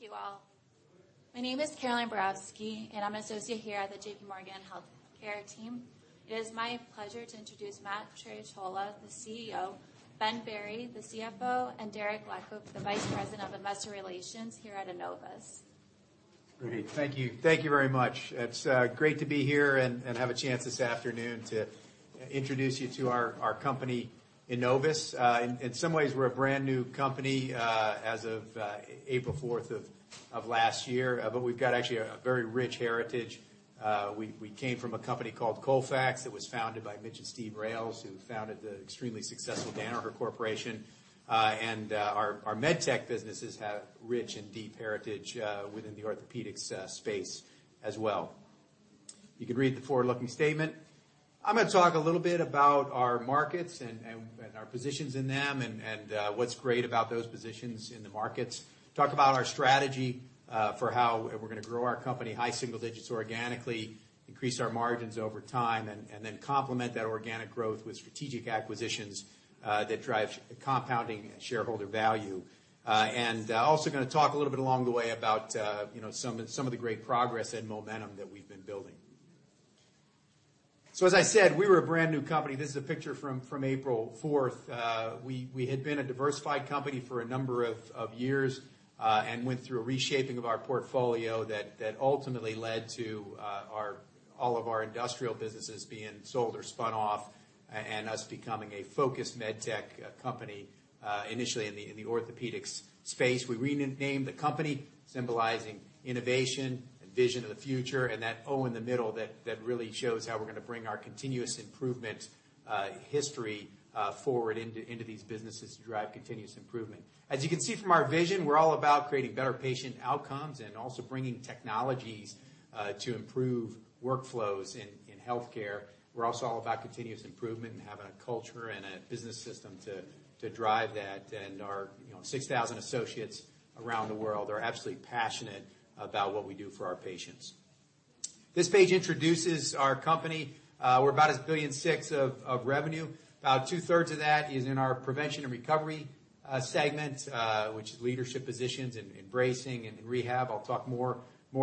Thank you all. My name is Caroline Brask. I'm an associate here at the JPMorgan Healthcare Team. It is my pleasure to introduce Matt Trerotola, the CEO, Ben Berry, the CFO, and Derek Leckow, the Vice President of Investor Relations here at Enovis. Great. Thank you. Thank you very much. It's great to be here and have a chance this afternoon to introduce you to our company, Enovis. In some ways, we're a brand new company as of April 4th of last year. We've got actually a very rich heritage. We came from a company called Colfax that was founded by Mitch and Steve Rales, who founded the extremely successful Danaher Corporation. Our med tech businesses have rich and deep heritage within the orthopedics space as well. You can read the forward-looking statement. I'm gonna talk a little bit about our markets and our positions in them and what's great about those positions in the markets. Talk about our strategy, for how we're gonna grow our company high single digits organically, increase our margins over time, and then complement that organic growth with strategic acquisitions that drive compounding shareholder value. Also gonna talk a little bit along the way about, you know, some of the great progress and momentum that we've been building. As I said, we were a brand new company. This is a picture from April 4th. We had been a diversified company for a number of years, and went through a reshaping of our portfolio that ultimately led to all of our industrial businesses being sold or spun off and us becoming a focused med tech company, initially in the orthopedics space. We renamed the company symbolizing innovation and vision of the future, that O in the middle that really shows how we're gonna bring our continuous improvement history forward into these businesses to drive continuous improvement. As you can see from our vision, we're all about creating better patient outcomes and also bringing technologies to improve workflows in healthcare. We're also all about continuous improvement and having a culture and a business system to drive that. Our, you know, 6,000 associates around the world are absolutely passionate about what we do for our patients. This page introduces our company. We're about $1.6 billion of revenue. About 2/3 of that is in our Prevention and Recovery segment, which is leadership positions in bracing and in rehab. I'll talk more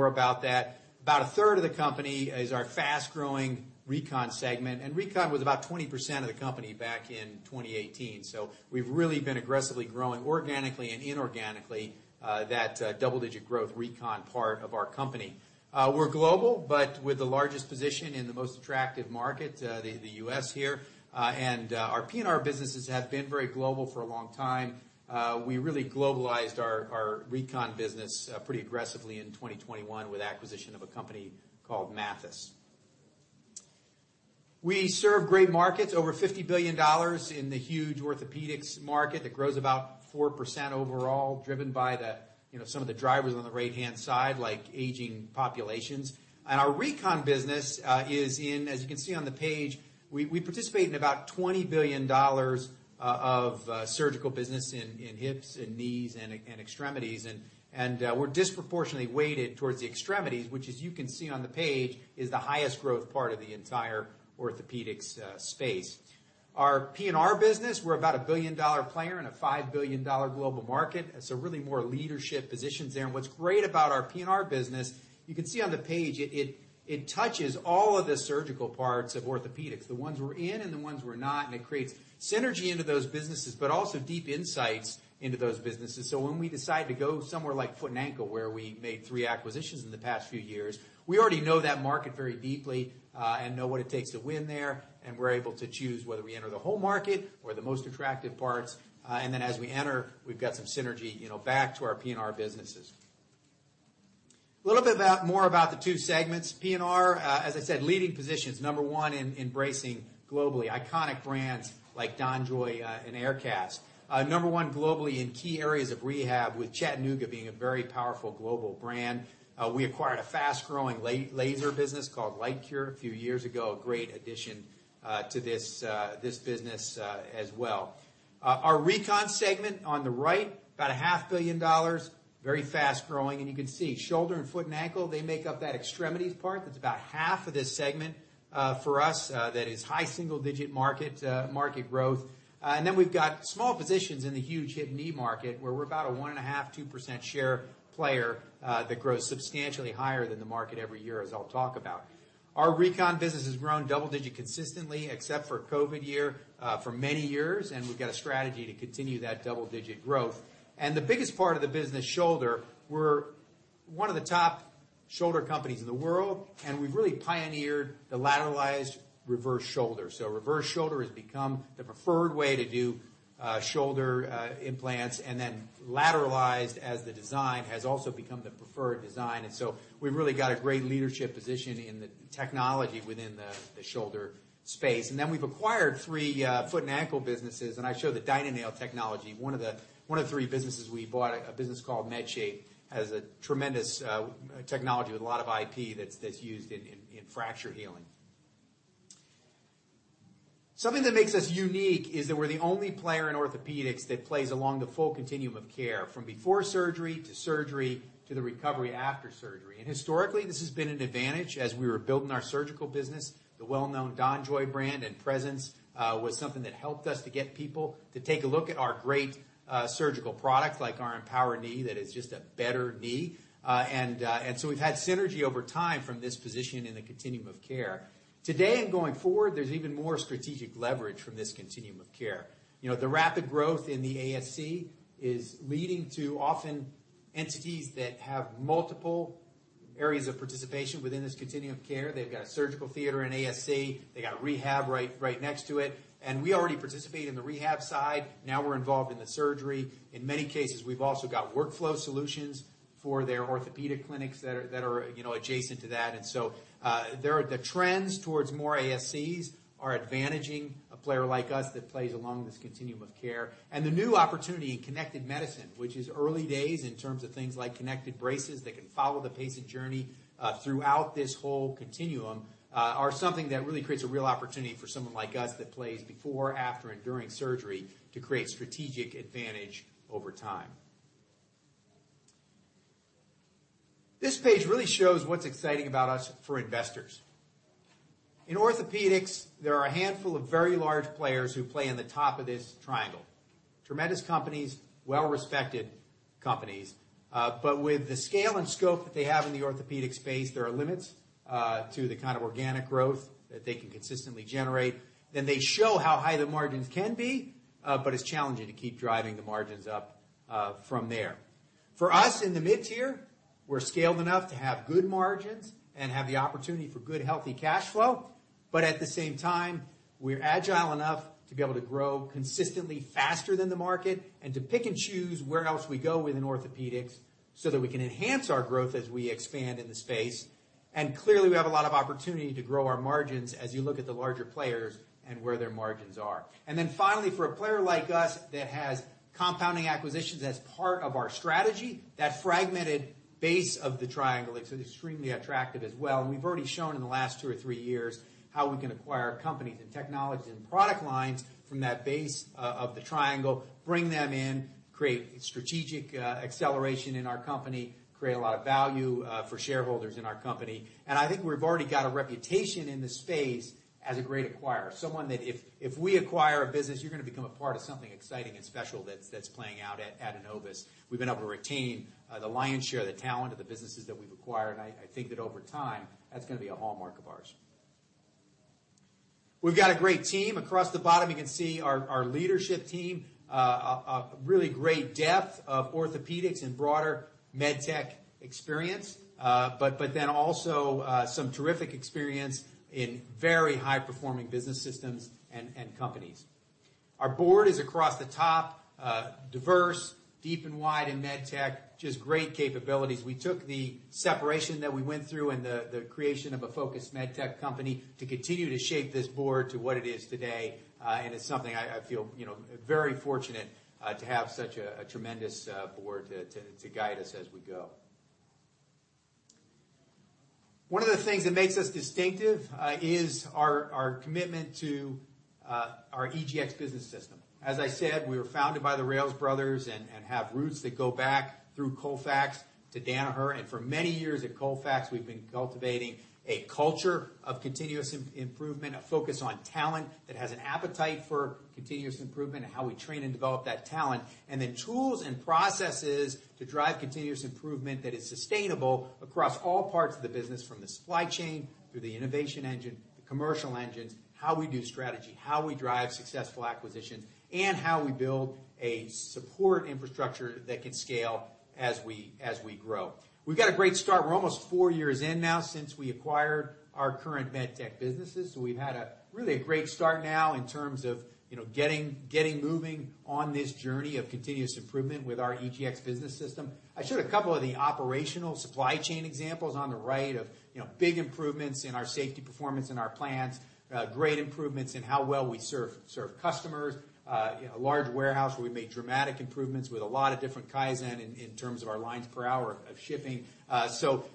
about that. About a third of the company is our fast-growing Recon segment. Recon was about 20% of the company back in 2018. We've really been aggressively growing organically and inorganically, that double-digit growth Recon part of our company. We're global, with the largest position in the most attractive market, the U.S. here. Our P&R businesses have been very global for a long time. We really globalized our Recon business pretty aggressively in 2021 with acquisition of a company called Mathys. We serve great markets, over $50 billion in the huge orthopedics market that grows about 4% overall, driven by the, you know, some of the drivers on the right-hand side, like aging populations. Our Recon business is in, as you can see on the page, we participate in about $20 billion of surgical business in hips and knees and extremities. We're disproportionately weighted towards the extremities, which as you can see on the page, is the highest growth part of the entire orthopedics space. Our P&R business, we're about a $1 billion player in a $5 billion global market. Really more leadership positions there. What's great about our P&R business, you can see on the page, it touches all of the surgical parts of orthopedics, the ones we're in and the ones we're not, and it creates synergy into those businesses, but also deep insights into those businesses. When we decide to go somewhere like foot and ankle, where we made three acquisitions in the past few years, we already know that market very deeply, and know what it takes to win there, and we're able to choose whether we enter the whole market or the most attractive parts. As we enter, we've got some synergy, you know, back to our P&R businesses. A little bit more about the two segments. P&R, as I said, leading positions, number one in embracing globally iconic brands like DonJoy and Aircast. Number one globally in key areas of rehab with Chattanooga being a very powerful global brand. We acquired a fast-growing laser business called LiteCure a few years ago. A great addition to this business as well. Our Recon segment on the right, about a $500,000,000, very fast-growing. You can see shoulder and foot and ankle, they make up that extremities part. That's about half of this segment for us. That is high single-digit market market growth. We've got small positions in the huge hip and knee market, where we're about a 1.5%, 2% share player that grows substantially higher than the market every year, as I'll talk about. Our Recon business has grown double-digit consistently, except for COVID year, for many years, we've got a strategy to continue that double-digit growth. The biggest part of the business, shoulder, we're one of the top shoulder companies in the world, and we've really pioneered the lateralized reverse shoulder. Reverse shoulder has become the preferred way to do shoulder implants, and then lateralized as the design has also become the preferred design. We've really got a great leadership position in the technology within the shoulder space. We've acquired three foot and ankle businesses, and I show the DynaNail technology. One of the three businesses we bought, a business called MedShape, has a tremendous technology with a lot of IP that's used in fracture healing. Something that makes us unique is that we're the only player in orthopedics that plays along the full continuum of care, from before surgery to surgery, to the recovery after surgery. Historically, this has been an advantage as we were building our surgical business, the well-known DonJoy brand and presence, was something that helped us to get people to take a look at our great surgical product, like our EMPOWR Knee, that is just a better knee. So we've had synergy over time from this position in the continuum of care. Today and going forward, there's even more strategic leverage from this continuum of care. You know, the rapid growth in the ASC is leading to often entities that have multiple areas of participation within this continuum of care. They've got a surgical theater in ASC, they got rehab right next to it, and we already participate in the rehab side, now we're involved in the surgery. In many cases, we've also got workflow solutions for their orthopedic clinics that are, you know, adjacent to that. The trends towards more ASCs are advantaging a player like us that plays along this continuum of care. The new opportunity in connected medicine, which is early days in terms of things like connected braces that can follow the patient journey throughout this whole continuum are something that really creates a real opportunity for someone like us that plays before, after, and during surgery to create strategic advantage over time. This page really shows what's exciting about us for investors. In orthopedics, there are a handful of very large players who play in the top of this triangle. Tremendous companies, well-respected companies, but with the scale and scope that they have in the orthopedic space, there are limits to the kind of organic growth that they can consistently generate. They show how high the margins can be, but it's challenging to keep driving the margins up from there. For us in the mid-tier, we're scaled enough to have good margins and have the opportunity for good, healthy cash flow. At the same time, we're agile enough to be able to grow consistently faster than the market and to pick and choose where else we go within orthopedics so that we can enhance our growth as we expand in the space. Clearly, we have a lot of opportunity to grow our margins as you look at the larger players and where their margins are. Finally, for a player like us that has compounding acquisitions as part of our strategy, that fragmented base of the triangle is extremely attractive as well. We've already shown in the last two or three years how we can acquire companies and technologies and product lines from that base of the triangle, bring them in, create strategic acceleration in our company, create a lot of value for shareholders in our company. I think we've already got a reputation in this phase as a great acquirer. Someone that if we acquire a business, you're gonna become a part of something exciting and special that's playing out at Enovis. We've been able to retain the lion's share of the talent of the businesses that we've acquired, and I think that over time, that's gonna be a hallmark of ours. We've got a great team. Across the bottom, you can see our leadership team. A really great depth of orthopedics and broader med tech experience, but then also, some terrific experience in very high-performing business systems and companies. Our board is across the top, diverse, deep and wide in med tech, just great capabilities. We took the separation that we went through and the creation of a focused med tech company to continue to shape this board to what it is today, and it's something I feel, you know, very fortunate, to have such a tremendous board to guide us as we go. One of the things that makes us distinctive, is our commitment to our EGX business system. As I said, we were founded by the Rales brothers and have roots that go back through Colfax to Danaher. For many years at Colfax, we've been cultivating a culture of continuous improvement, a focus on talent that has an appetite for continuous improvement and how we train and develop that talent, and the tools and processes to drive continuous improvement that is sustainable across all parts of the business, from the supply chain through the innovation engine, the commercial engines, how we do strategy, how we drive successful acquisitions, and how we build a support infrastructure that can scale as we grow. We've got a great start. We're almost four years in now since we acquired our current med tech businesses. We've had a really a great start now in terms of, you know, getting moving on this journey of continuous improvement with our EGX business system. I showed a couple of the operational supply chain examples on the right of, you know, big improvements in our safety performance in our plans, great improvements in how well we serve customers, you know, a large warehouse where we made dramatic improvements with a lot of different Kaizen in terms of our lines per hour of shipping.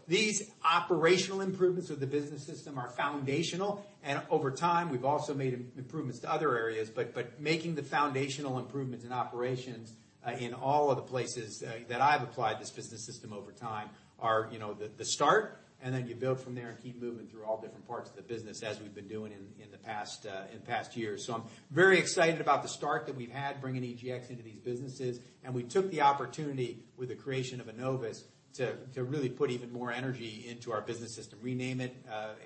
These operational improvements with the business system are foundational. Over time, we've also made improvements to other areas. Making the foundational improvements in operations, in all of the places, that I've applied this business system over time are, you know, the start, and then you build from there and keep moving through all different parts of the business as we've been doing in the past, in past years. I'm very excited about the start that we've had bringing EGX into these businesses. We took the opportunity with the creation of Enovis to really put even more energy into our business system, rename it,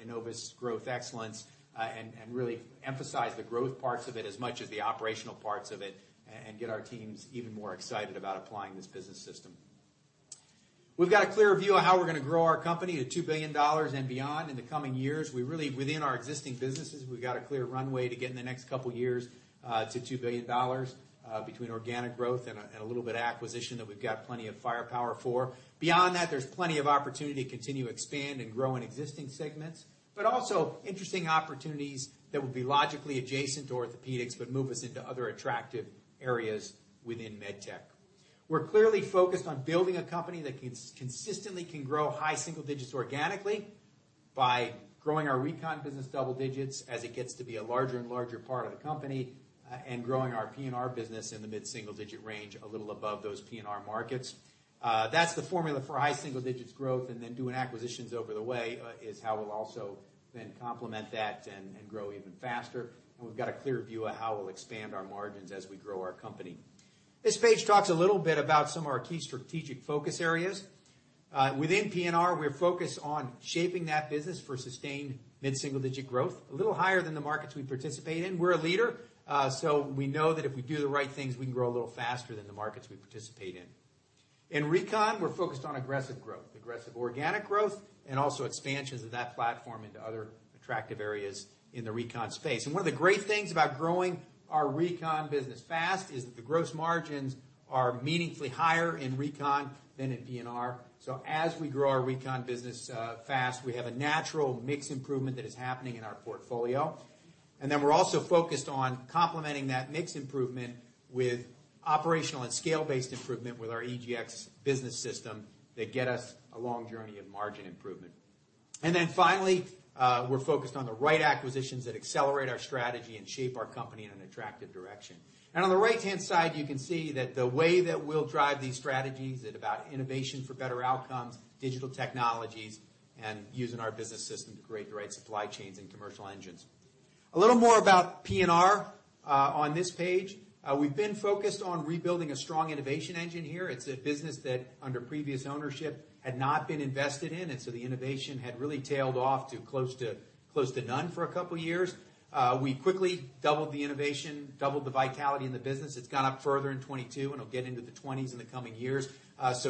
Enovis Growth Excellence, and really emphasize the growth parts of it as much as the operational parts of it and get our teams even more excited about applying this business system. We've got a clear view of how we're gonna grow our company to $2 billion and beyond in the coming years. We really within our existing businesses, we've got a clear runway to get in the next couple years, to $2 billion, between organic growth and a little bit of acquisition that we've got plenty of firepower for. Beyond that, there's plenty of opportunity to continue to expand and grow in existing segments, but also interesting opportunities that would be logically adjacent to orthopedics but move us into other attractive areas within med tech. We're clearly focused on building a company that consistently can grow high single digits organically by growing our Recon business double digits as it gets to be a larger and larger part of the company, and growing our P&R business in the mid-single digit range, a little above those P&R markets. That's the formula for high single digits growth and then doing acquisitions over the way, is how we'll also then complement that and grow even faster. We've got a clear view of how we'll expand our margins as we grow our company. This page talks a little bit about some of our key strategic focus areas. Within P&R, we're focused on shaping that business for sustained mid-single digit growth, a little higher than the markets we participate in. We're a leader, so we know that if we do the right things, we can grow a little faster than the markets we participate in. In Recon, we're focused on aggressive growth, aggressive organic growth, and also expansions of that platform into other attractive areas in the Recon space. One of the great things about growing our Recon business fast is that the gross margins are meaningfully higher in Recon than in P&R. As we grow our Recon business fast, we have a natural mix improvement that is happening in our portfolio. We're also focused on complementing that mix improvement with operational and scale-based improvement with our EGX business system that get us a long journey of margin improvement. Finally, we're focused on the right acquisitions that accelerate our strategy and shape our company in an attractive direction. On the right-hand side, you can see that the way that we'll drive these strategies is about innovation for better outcomes, digital technologies, and using our business system to create the right supply chains and commercial engines. A little more about P&R on this page. We've been focused on rebuilding a strong innovation engine here. It's a business that under previous ownership had not been invested in, the innovation had really tailed off to close to none for a couple years. We quickly doubled the innovation, doubled the vitality in the business. It's gone up further in 2022 and will get into the 20s in the coming years.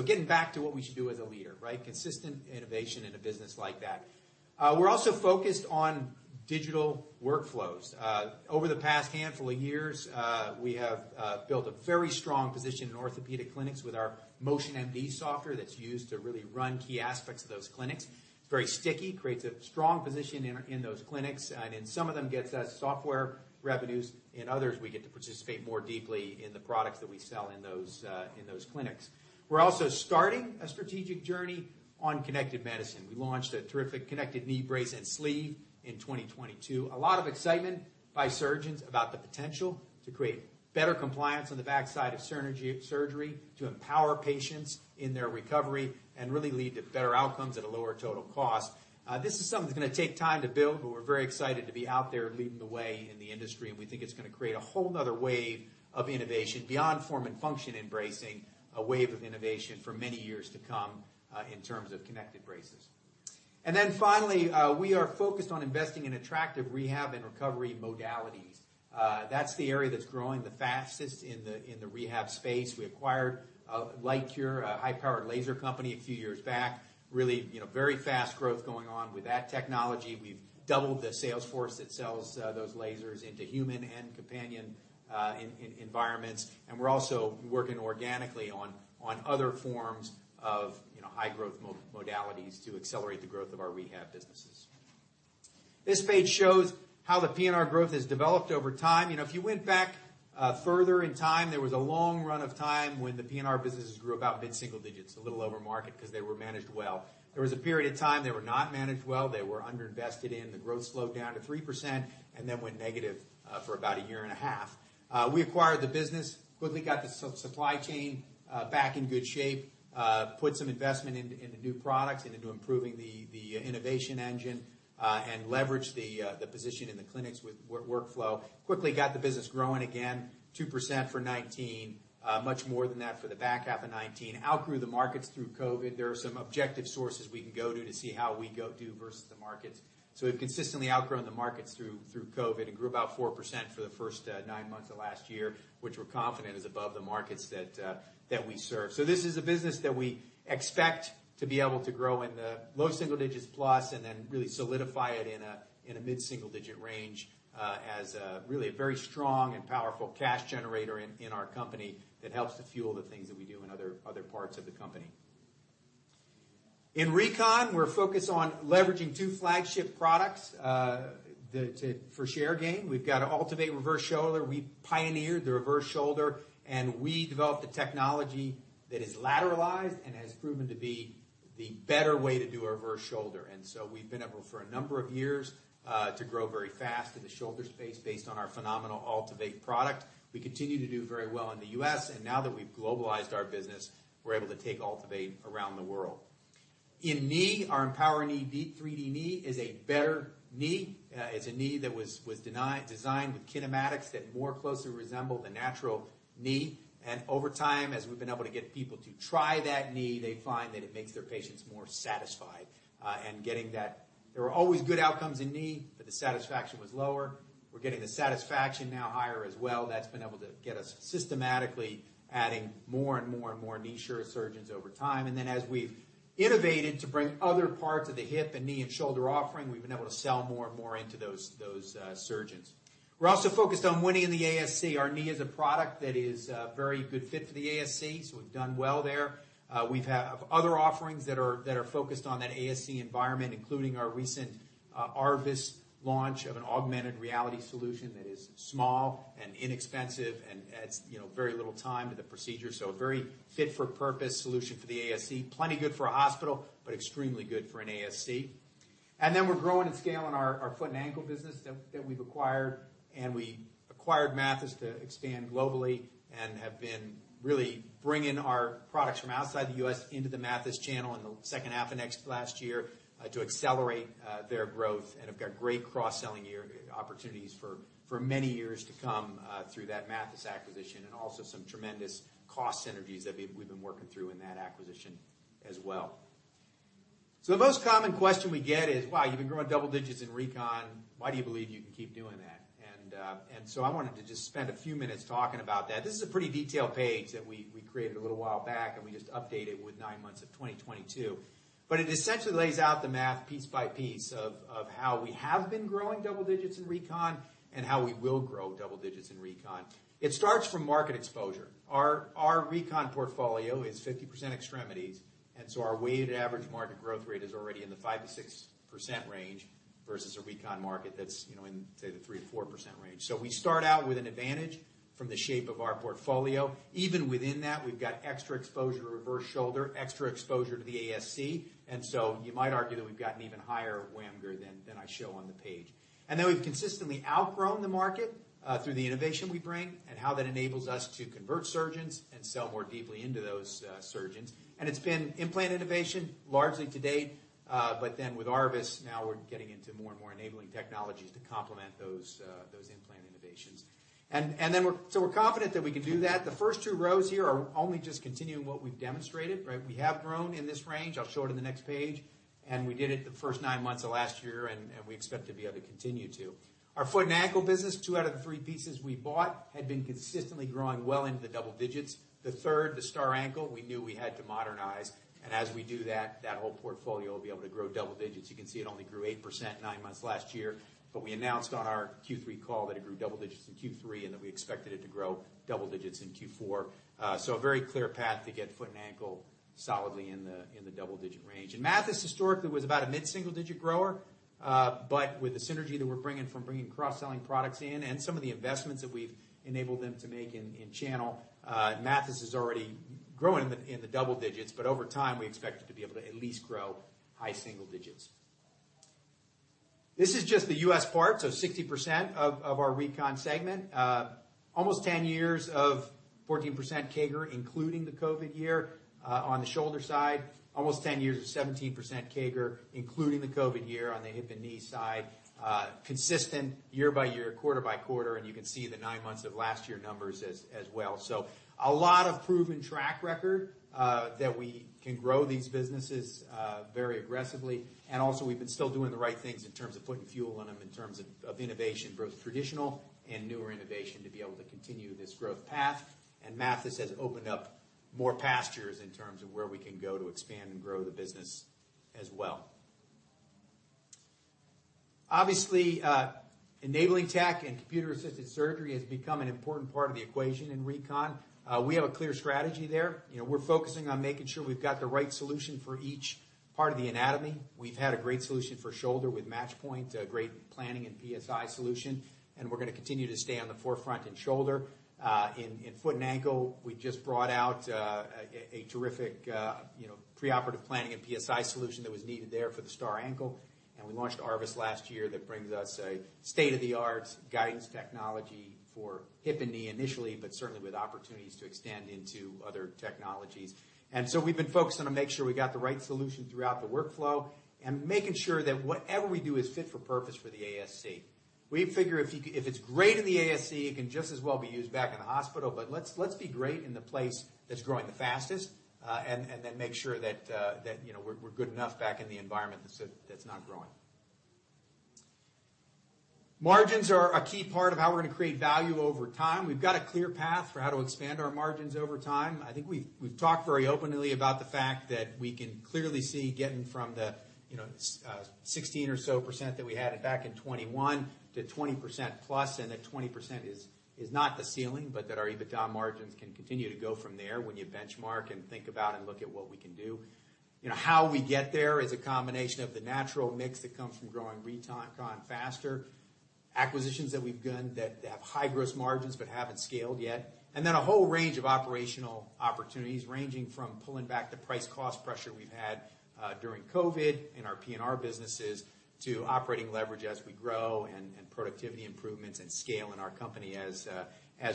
Getting back to what we should do as a leader, right? Consistent innovation in a business like that. We're also focused on digital workflows. Over the past handful of years, we have built a very strong position in orthopedic clinics with our MotionMD software that's used to really run key aspects of those clinics. It's very sticky, creates a strong position in those clinics, and in some of them, gets us software revenues. In others, we get to participate more deeply in the products that we sell in those clinics. We're also starting a strategic journey on connected medicine. We launched a terrific connected knee brace and sleeve in 2022. A lot of excitement by surgeons about the potential to create better compliance on the backside of surgery, to empower patients in their recovery, and really lead to better outcomes at a lower total cost. This is something that's gonna take time to build, but we're very excited to be out there leading the way in the industry, and we think it's gonna create a whole nother wave of innovation beyond form and function in bracing, a wave of innovation for many years to come in terms of connected braces. Finally, we are focused on investing in attractive rehab and recovery modalities. That's the area that's growing the fastest in the rehab space. We acquired LiteCure, a high-powered laser company a few years back, really, you know, very fast growth going on with that technology. We've doubled the sales force that sells those lasers into human and companion environments. We're also working organically on other forms of, you know, high growth modalities to accelerate the growth of our rehab businesses. This page shows how the P&R growth has developed over time. You know, if you went back further in time, there was a long run of time when the P&R businesses grew about mid-single digits, a little over market because they were managed well. There was a period of time they were not managed well. They were under-invested in. The growth slowed down to 3% and then went negative for about a year and a half. We acquired the business, quickly got the supply chain back in good shape, put some investment into new products and into improving the innovation engine, and leveraged the position in the clinics with workflow. Quickly got the business growing again, 2% for 2019. Much more than that for the back half of 2019. Outgrew the markets through COVID. There are some objective sources we can go to to see how we go do versus the markets. We've consistently outgrown the markets through COVID and grew about 4% for the first nine months of last year, which we're confident is above the markets that we serve. This is a business that we expect to be able to grow in the low single digits plus and then really solidify it in a mid-single digit range as a really a very strong and powerful cash generator in our company that helps to fuel the things that we do in other parts of the company. In Recon, we're focused on leveraging two flagship products for share gain. We've got an AltiVate reverse shoulder. We pioneered the reverse shoulder, and we developed the technology that is lateralized and has proven to be the better way to do a reverse shoulder. We've been able for a number of years to grow very fast in the shoulder space based on our phenomenal AltiVate product. We continue to do very well in the US. Now that we've globalized our business, we're able to take AltiVate around the world. In knee, our EMPOWR Knee deep 3D knee is a better knee. It's a knee that was designed with kinematics that more closely resemble the natural knee. Over time, as we've been able to get people to try that knee, they find that it makes their patients more satisfied, and getting that... There were always good outcomes in knee. The satisfaction was lower. We're getting the satisfaction now higher as well. That's been able to get us systematically adding more and more knee sure surgeons over time. As we've innovated to bring other parts of the hip and knee and shoulder offering, we've been able to sell more and more into those surgeons. We're also focused on winning in the ASC. Our knee is a product that is a very good fit for the ASC, so we've done well there. We've had other offerings that are focused on that ASC environment, including our recent ARVIS launch of an augmented reality solution that is small and inexpensive and adds, you know, very little time to the procedure. Very fit for purpose solution for the ASC. Plenty good for a hospital, but extremely good for an ASC. We're growing and scaling our foot and ankle business that we've acquired, and we acquired Mathys to expand globally and have been really bringing our products from outside the U.S. into the Mathys channel in the H2 of next last year to accelerate their growth. We've got great cross-selling opportunities for many years to come through that Mathys acquisition, and also some tremendous cost synergies that we've been working through in that acquisition as well. The most common question we get is, "Wow, you've been growing double digits in Recon. Why do you believe you can keep doing that?" I wanted to just spend a few minutes talking about that. This is a pretty detailed page that we created a little while back, and we just updated with nine months of 2022. It essentially lays out the math piece by piece of how we have been growing double digits in Recon and how we will grow double digits in Recon. It starts from market exposure. Our Recon portfolio is 50% extremities, our weighted average market growth rate is already in the 5%-6% range versus a Recon market that's, you know, in, say, the 3%-4% range. We start out with an advantage from the shape of our portfolio. Even within that, we've got extra exposure to reverse shoulder, extra exposure to the ASC. You might argue that we've got an even higher WAMGR than I show on the page. We've consistently outgrown the market through the innovation we bring and how that enables us to convert surgeons and sell more deeply into those surgeons. It's been implant innovation largely to date, with ARVIS, now we're getting into more and more enabling technologies to complement those implant innovations. We're confident that we can do that. The first two rows here are only just continuing what we've demonstrated, right? We have grown in this range. I'll show it in the next page. We did it the first nine months of last year, and we expect to be able to continue to. Our foot and ankle business, two out of the three pieces we bought had been consistently growing well into the double digits. The third, the STAR Ankle, we knew we had to modernize. As we do that whole portfolio will be able to grow double digits. You can see it only grew 8% nine months last year, we announced on our Q3 call that it grew double digits in Q3, and that we expected it to grow double digits in Q4. A very clear path to get foot and ankle solidly in the double-digit range. Mathys historically was about a mid-single-digit grower, but with the synergy that we're bringing from bringing cross-selling products in and some of the investments that we've enabled them to make in channel, Mathys is already growing in the double digits. Over time, we expect it to be able to at least grow high single digits. This is just the U.S. part, so 60% of our Recon segment. Almost 10 years of 14% CAGR, including the COVID year on the shoulder side. Almost 10 years of 17% CAGR, including the COVID year on the hip and knee side. Consistent year-by-year, quarter-by-quarter, and you can see the nine months of last year numbers as well. A lot of proven track record that we can grow these businesses very aggressively. Also we've been still doing the right things in terms of putting fuel in them, in terms of innovation, both traditional and newer innovation, to be able to continue this growth path. Mathys has opened up more pastures in terms of where we can go to expand and grow the business as well. Obviously, enabling tech and computer-assisted surgery has become an important part of the equation in Recon. We have a clear strategy there. You know, we're focusing on making sure we've got the right solution for each part of the anatomy. We've had a great solution for shoulder with Match Point, a great planning and PSI solution, and we're gonna continue to stay on the forefront in shoulder. In foot and ankle, we just brought out a terrific, you know, preoperative planning and PSI solution that was needed there for the STAR Ankle. We launched ARVIS last year that brings us a state-of-the-art guidance technology for hip and knee initially, but certainly with opportunities to extend into other technologies. We've been focused on making sure we got the right solution throughout the workflow and making sure that whatever we do is fit for purpose for the ASC. We figure if it's great in the ASC, it can just as well be used back in the hospital. Let's be great in the place that's growing the fastest, and then make sure that, you know, we're good enough back in the environment that's not growing. Margins are a key part of how we're gonna create value over time. We've got a clear path for how to expand our margins over time. I think we've talked very openly about the fact that we can clearly see getting from the, you know, 16% or so that we had it back in 2021 to 20%+, and that 20% is not the ceiling, but that our EBITDA margins can continue to go from there when you benchmark and think about and look at what we can do. You know, how we get there is a combination of the natural mix that comes from growing Recon faster, acquisitions that we've done that have high gross margins but haven't scaled yet, and then a whole range of operational opportunities ranging from pulling back the price cost pressure we've had during COVID in our P&R businesses to operating leverage as we grow and productivity improvements and scale in our company as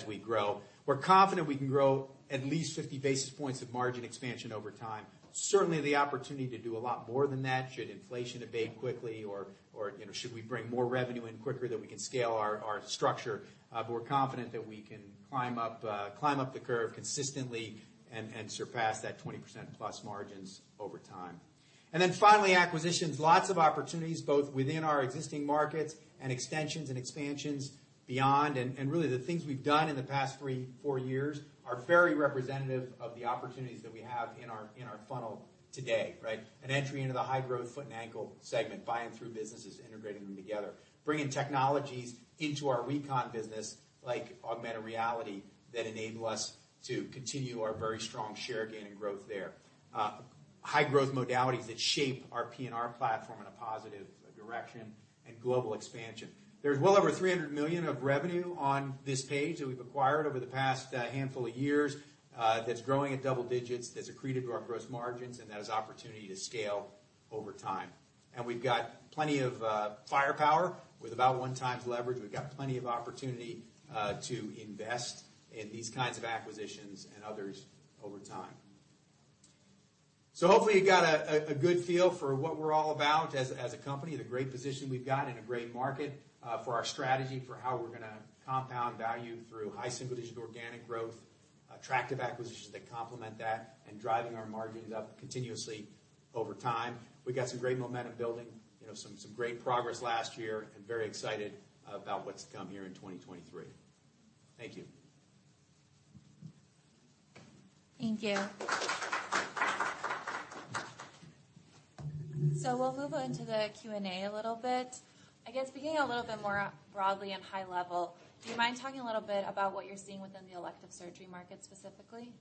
we grow. We're confident we can grow at least 50 basis points of margin expansion over time. Certainly, the opportunity to do a lot more than that should inflation abate quickly or, you know, should we bring more revenue in quicker that we can scale our structure. We're confident that we can climb up the curve consistently and surpass that 20% plus margins over time. Then finally, acquisitions. Lots of opportunities, both within our existing markets and extensions and expansions beyond. Really the things we've done in the past three, four years are very representative of the opportunities that we have in our funnel today. An entry into the high-growth foot and ankle segment, buying through businesses, integrating them together, bringing technologies into our Recon business, like augmented reality, that enable us to continue our very strong share gain and growth there. High growth modalities that shape our P&R platform in a positive direction and global expansion. There's well over $300 million of revenue on this page that we've acquired over the past handful of years, that's growing at double digits, that's accreted to our gross margins, and that has opportunity to scale over time. We've got plenty of firepower. With about one times leverage, we've got plenty of opportunity to invest in these kinds of acquisitions and others over time. Hopefully you got a good feel for what we're all about as a company, the great position we've got in a great market for our strategy for how we're gonna compound value through high single-digit organic growth, attractive acquisitions that complement that and driving our margins up continuously over time. We've got some great momentum building, you know, some great progress last year, and very excited about what's to come here in 2023. Thank you. Thank you. We'll move on to the Q&A a little bit. I guess beginning a little bit more broadly and high level, do you mind talking a little bit about what you're seeing within the elective surgery market specifically?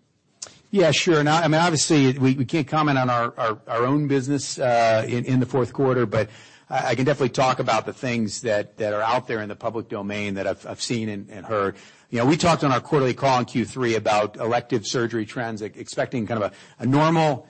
Yeah, sure. I mean, obviously we can't comment on our own business in the Q4, but I can definitely talk about the things that are out there in the public domain that I've seen and heard. You know, we talked on our quarterly call in Q3 about elective surgery trends, expecting kind of a normal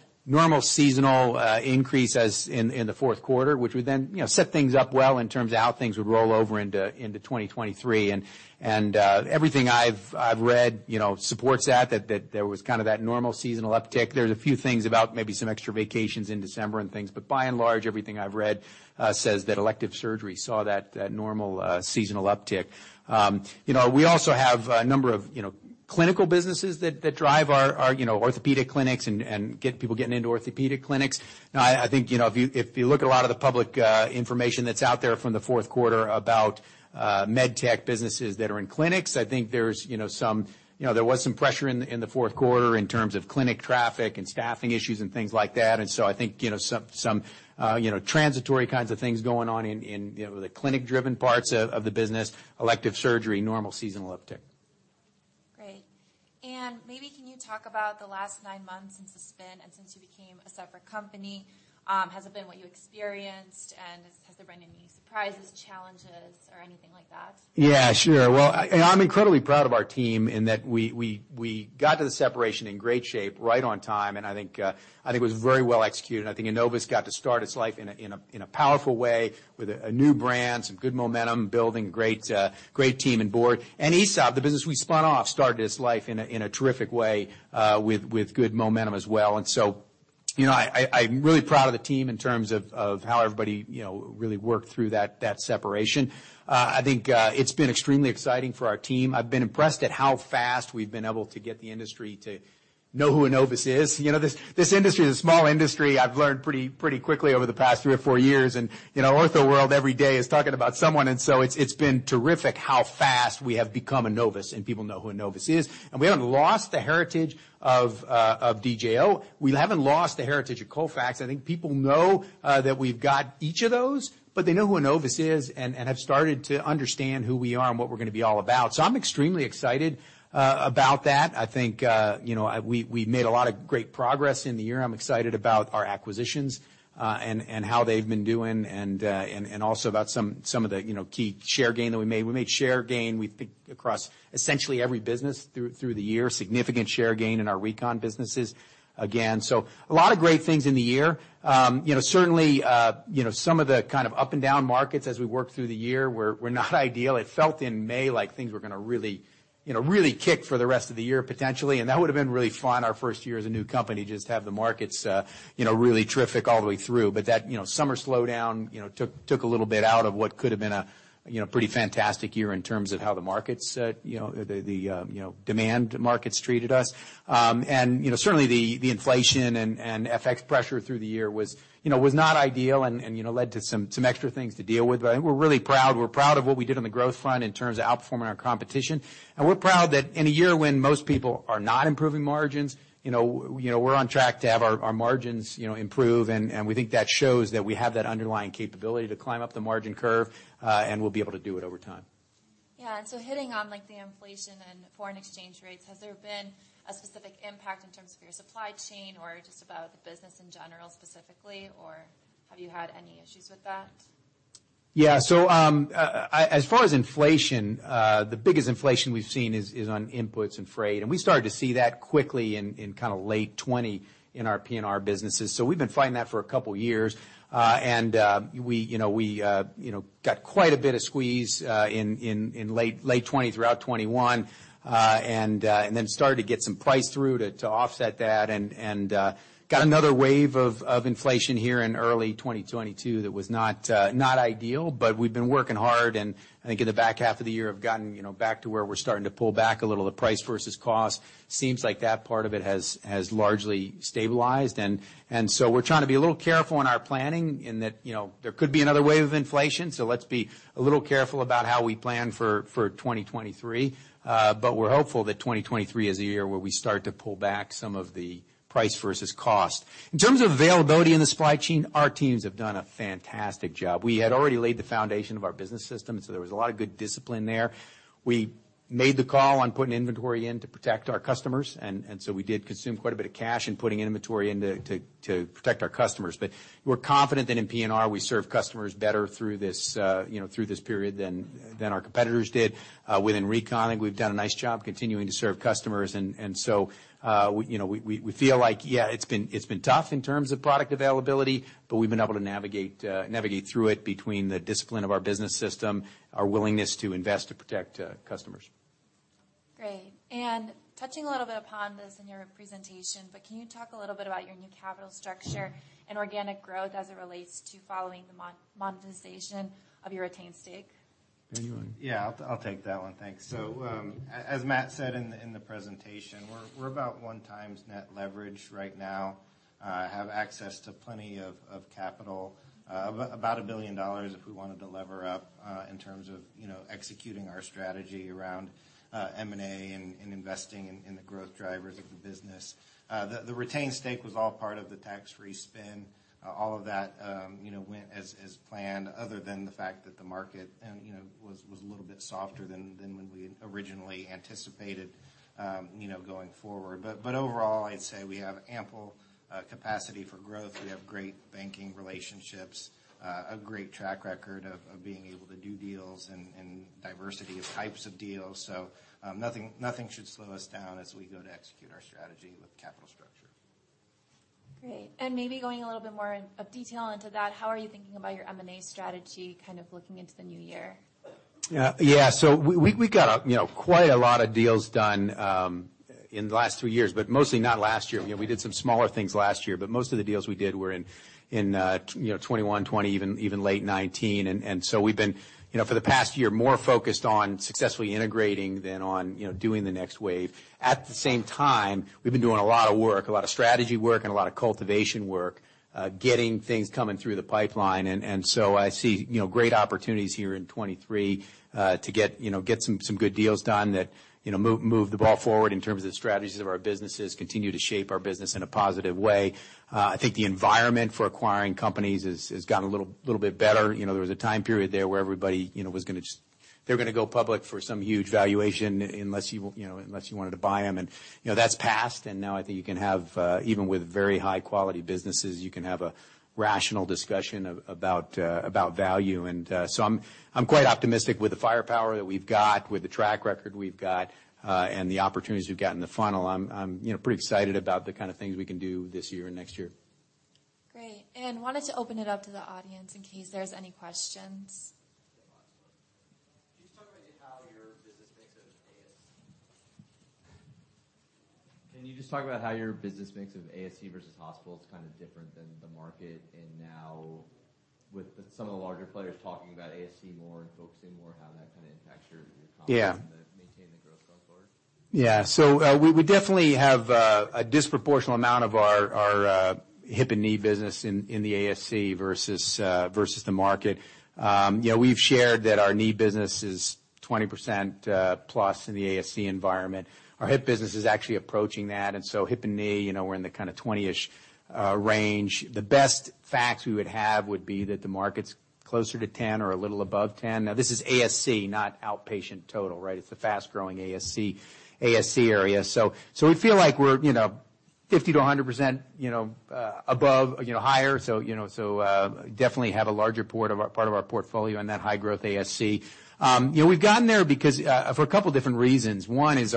seasonal increase in the Q4, which would then, you know, set things up well in terms of how things would roll over into 2023. Everything I've read, you know, supports that there was kind of that normal seasonal uptick. There's a few things about maybe some extra vacations in December and things. By and large, everything I've read, says that elective surgery saw that normal seasonal uptick. You know, we also have a number of, you know, clinical businesses that drive our, you know, orthopedic clinics and get people getting into orthopedic clinics. I think, you know, if you look at a lot of the public information that's out there from the Q4 about med tech businesses that are in clinics, I think there's, you know, there was some pressure in the Q4 in terms of clinic traffic and staffing issues and things like that. I think, you know, some, you know, transitory kinds of things going on in, you know, the clinic-driven parts of the business. Elective surgery, normal seasonal uptick. Great. Maybe can you talk about the last nine months since the spin and since you became a separate company, has it been what you experienced, and has there been any surprises, challenges or anything like that? Yeah, sure. I'm incredibly proud of our team in that we got to the separation in great shape right on time. I think it was very well executed, and I think Enovis got to start its life in a powerful way with a new brand, some good momentum, building a great team and board. ESAB, the business we spun off, started its life in a terrific way with good momentum as well. You know, I'm really proud of the team in terms of how everybody, you know, really worked through that separation. I think it's been extremely exciting for our team. I've been impressed at how fast we've been able to get the industry to know who Enovis is. You know, this industry is a small industry. I've learned pretty quickly over the past three or four years. You know, ortho world every day is talking about someone, so it's been terrific how fast we have become Enovis, and people know who Enovis is. We haven't lost the heritage of DJO. We haven't lost the heritage of Colfax. I think people know that we've got each of those, but they know who Enovis is and have started to understand who we are and what we're gonna be all about. I'm extremely excited about that. I think, you know, we made a lot of great progress in the year. I'm excited about our acquisitions, and how they've been doing and also about some of the, you know, key share gain that we made. We made share gain, we think, across essentially every business through the year, significant share gain in our Recon businesses again. A lot of great things in the year. You know, certainly, you know, some of the kind of up and down markets as we worked through the year were not ideal. It felt in May like things were gonna really, you know, really kick for the rest of the year potentially, and that would've been really fun our first year as a new company, just have the markets, you know, really terrific all the way through. That, you know, summer slowdown, you know, took a little bit out of what could have been a, you know, pretty fantastic year in terms of how the markets, you know, the demand markets treated us. You know, certainly the inflation and FX pressure through the year was, you know, was not ideal and, you know, led to some extra things to deal with. I think we're really proud. We're proud of what we did on the growth front in terms of outperforming our competition. We're proud that in a year when most people are not improving margins, you know, we're on track to have our margins, you know, improve. We think that shows that we have that underlying capability to climb up the margin curve, and we'll be able to do it over time. Yeah. Hitting on like the inflation and foreign exchange rates, has there been a specific impact in terms of your supply chain or just about the business in general specifically, or have you had any issues with that? As far as inflation, the biggest inflation we've seen is on inputs and freight, and we started to see that quickly in kinda late 2020 in our P&R businesses. We've been fighting that for a couple years. We, you know, we, you know, got quite a bit of squeeze in late 2020 throughout 2021. Started to get some price through to offset that and got another wave of inflation here in early 2022 that was not ideal. We've been working hard, and I think in the back half of the year have gotten, you know, back to where we're starting to pull back a little. The price versus cost seems like that part of it has largely stabilized. We're trying to be a little careful in our planning in that, you know, there could be another wave of inflation. Let's be a little careful about how we plan for 2023. We're hopeful that 2023 is a year where we start to pull back some of the price versus cost. In terms of availability in the supply chain, our teams have done a fantastic job. We had already laid the foundation of our business system, so there was a lot of good discipline there. We made the call on putting inventory in to protect our customers, and so we did consume quite a bit of cash in putting inventory in to protect our customers. We're confident that in PNR, we serve customers better through this, you know, through this period than our competitors did. Within Recon, I think we've done a nice job continuing to serve customers. you know, we feel like, yeah, it's been tough in terms of product availability, but we've been able to navigate through it between the discipline of our business system, our willingness to invest to protect customers. Great. Touching a little bit upon this in your presentation, can you talk a little bit about your new capital structure and organic growth as it relates to following the monetization of your retained stake? Daniel, Yeah, I'll take that one. Thanks. As Matt said in the presentation, we're about 1 times net leverage right now, have access to plenty of capital, about $1 billion if we wanted to lever up, in terms of, you know, executing our strategy around M&A and investing in the growth drivers of the business. The retained stake was all part of the tax-free spin. All of that, you know, went as planned other than the fact that the market, you know, was a little bit softer than when we originally anticipated, you know, going forward. Overall, I'd say we have ample capacity for growth. We have great banking relationships, a great track record of being able to do deals and diversity of types of deals. Nothing should slow us down as we go to execute our strategy with capital structure. Great. Maybe going a little bit more in, up detail into that, how are you thinking about your M&A strategy kind of looking into the new year? We got a, you know, quite a lot of deals done, in the last two years, but mostly not last year. You know, we did some smaller things last year, but most of the deals we did were in, you know, 2021, 2020, even late 202019. We've been, you know, for the past year, more focused on successfully integrating than on, you know, doing the next wave. At the same time, we've been doing a lot of work, a lot of strategy work, and a lot of cultivation work, getting things coming through the pipeline. I see, you know, great opportunities here in 2023, to get, you know, get some good deals done that, you know, move the ball forward in terms of the strategies of our businesses, continue to shape our business in a positive way. I think the environment for acquiring companies has gotten a little bit better. You know, there was a time period there where everybody, you know, they were gonna go public for some huge valuation unless you know, unless you wanted to buy them. That's passed. Now I think you can have, even with very high-quality businesses, you can have a rational discussion about value. I'm quite optimistic with the firepower that we've got, with the track record we've got, and the opportunities we've got in the funnel. I'm, you know, pretty excited about the kind of things we can do this year and next year. Great. Wanted to open it up to the audience in case there's any questions. Can you just talk about how your business mix of ASC versus hospital is kind of different than the market? Now with some of the larger players talking about ASC more and focusing more, how that kind of impacts your comment? Yeah. on maintaining the growth going forward? We definitely have a disproportional amount of our hip and knee business in the ASC versus versus the market. You know, we've shared that our knee business is 20% plus in the ASC environment. Our hip business is actually approaching that. Hip and knee, you know, we're in the kinda 20-ish range. The best facts we would have would be that the market's closer to 10 or a little above 10. Now, this is ASC, not outpatient total, right? It's the fast-growing ASC area. We feel like we're, you know, 50%-100%, you know, above, you know, higher. Definitely have a larger part of our portfolio in that high growth ASC. You know, we've gotten there because for a couple different reasons. One is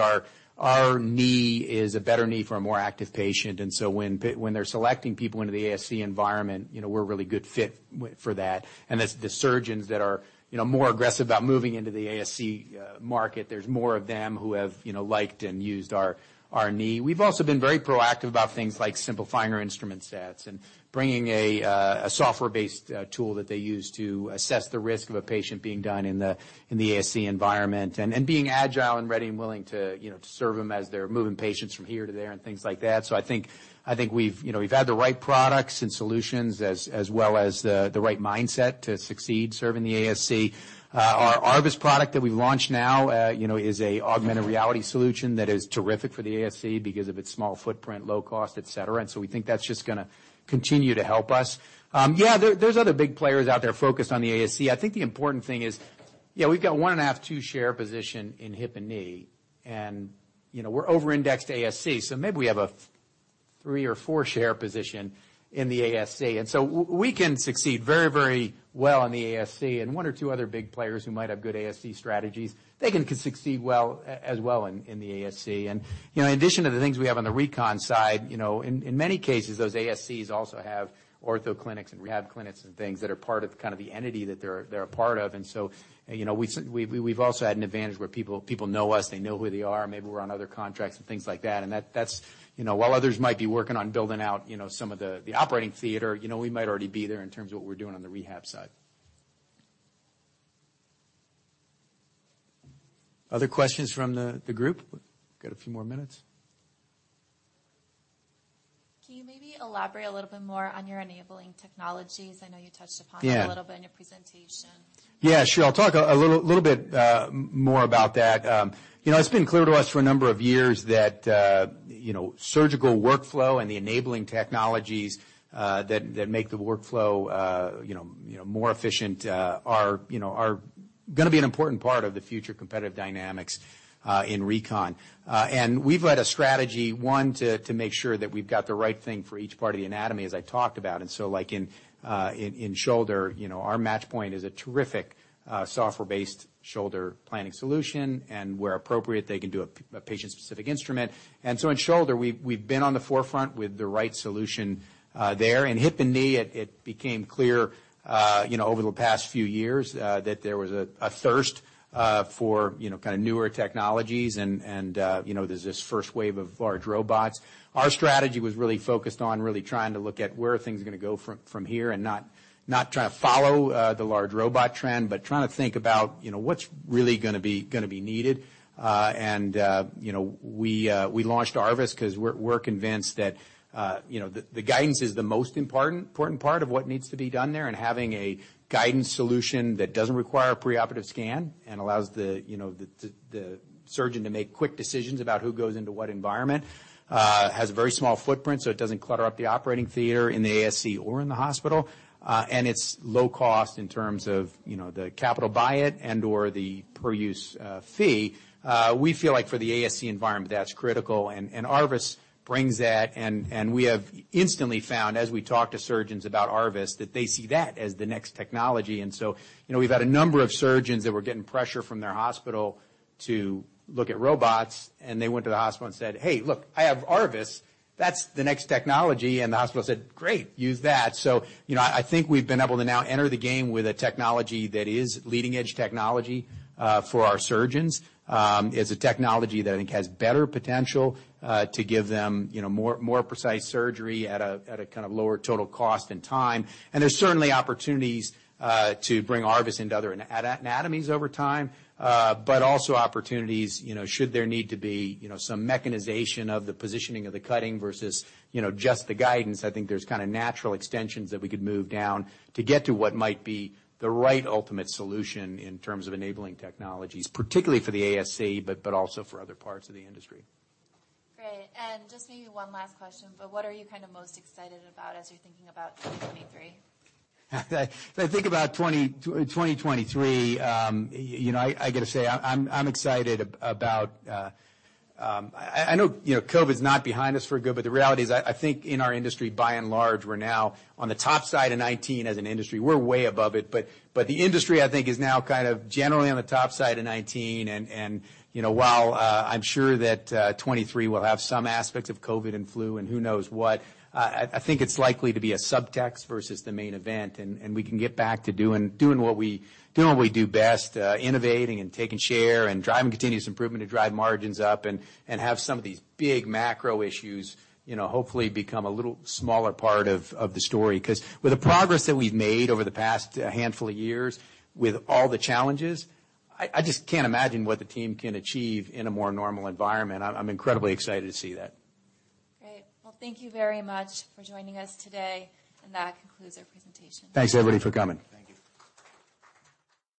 our knee is a better knee for a more active patient. When they're selecting people into the ASC environment, you know, we're a really good fit for that. The surgeons that are, you know, more aggressive about moving into the ASC market, there's more of them who have, you know, liked and used our knee. We've also been very proactive about things like simplifying our instrument sets and bringing a software-based tool that they use to assess the risk of a patient being done in the ASC environment, and being agile and ready and willing to, you know, to serve them as they're moving patients from here to there and things like that. I think we've, you know, we've had the right products and solutions as well as the right mindset to succeed serving the ASC. Our ARVIS product that we've launched now, you know, is an augmented reality solution that is terrific for the ASC because of its small footprint, low cost, etc. We think that's just gonna continue to help us. Yeah, there's other big players out there focused on the ASC. I think the important thing is, yeah, we've got 1.5, two share position in hip and knee, and, you know, we're over-indexed ASC. Maybe we have a three or four share position in the ASC. We can succeed very, very well in the ASC, and one or two other big players who might have good ASC strategies, they can succeed well, as well in the ASC. You know, in addition to the things we have on the recon side, you know, in many cases, those ASCs also have ortho clinics and rehab clinics and things that are part of kind of the entity that they're a part of. You know, we've also had an advantage where people know us, they know who they are, maybe we're on other contracts and things like that. That's, you know, while others might be working on building out, you know, some of the operating theater, you know, we might already be there in terms of what we're doing on the rehab side. Other questions from the group? Got a few more minutes. Can you maybe elaborate a little bit more on your enabling technologies? I know you touched upon it. Yeah. a little bit in your presentation. Yeah, sure. I'll talk a little bit more about that. You know, it's been clear to us for a number of years that, you know, surgical workflow and the enabling technologies that make the workflow, you know, more efficient, are, you know, are gonna be an important part of the future competitive dynamics in Recon. We've led a strategy, one, to make sure that we've got the right thing for each part of the anatomy, as I talked about. Like in shoulder, you know, our MatchPoint is a terrific software-based shoulder planning solution, and where appropriate, they can do a patient-specific instrument. In shoulder, we've been on the forefront with the right solution there. In hip and knee it became clear, you know, over the past few years, that there was a thirst for, you know, kinda newer technologies and, you know, there's this first wave of large robots. Our strategy was really focused on really trying to look at where are things gonna go from here and not trying to follow the large robot trend, but trying to think about, you know, what's really gonna be needed. You know, we launched ARVIS because we're convinced that, you know, the guidance is the most important part of what needs to be done there, and having a guidance solution that doesn't require a preoperative scan and allows the, you know, the surgeon to make quick decisions about who goes into what environment, has a very small footprint, so it doesn't clutter up the operating theater in the ASC or in the hospital, and it's low cost in terms of, you know, the capital buy it and/or the per-use fee. We feel like for the ASC environment, that's critical. ARVIS brings that and we have instantly found, as we talk to surgeons about ARVIS, that they see that as the next technology. You know, we've had a number of surgeons that were getting pressure from their hospital to look at robots, and they went to the hospital and said, "Hey, look, I have ARVIS. That's the next technology." The hospital said, "Great, use that." You know, I think we've been able to now enter the game with a technology that is leading edge technology for our surgeons. It's a technology that I think has better potential to give them, you know, more precise surgery at a kind of lower total cost and time. There's certainly opportunities to bring ARVIS into other anatomies over time, but also opportunities, you know, should there need to be, you know, some mechanization of the positioning of the cutting versus, you know, just the guidance. I think there's kinda natural extensions that we could move down to get to what might be the right ultimate solution in terms of enabling technologies, particularly for the ASC, but also for other parts of the industry. Great. Just maybe one last question, but what are you kind of most excited about as you're thinking about 2023? If I think about 2023, you know, I gotta say I'm excited about. I know, you know, COVID's not behind us for good, but the reality is, I think in our industry, by and large, we're now on the top side of 2019 as an industry. We're way above it, but the industry, I think, is now kind of generally on the top side of 2019 and, you know, while I'm sure that 2023 will have some aspects of COVID and flu and who knows what, I think it's likely to be a subtext versus the main event. We can get back to doing what we do best, innovating and taking share and driving continuous improvement to drive margins up and have some of these big macro issues, you know, hopefully become a little smaller part of the story. With the progress that we've made over the past, handful of years with all the challenges, I just can't imagine what the team can achieve in a more normal environment. I'm incredibly excited to see that. Great. Well, thank you very much for joining us today. That concludes our presentation. Thanks, everybody, for coming. Thank you.